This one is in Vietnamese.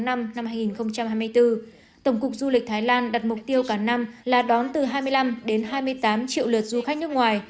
năm hai nghìn hai mươi bốn tổng cục du lịch thái lan đặt mục tiêu cả năm là đón từ hai mươi năm đến hai mươi tám triệu lượt du khách nước ngoài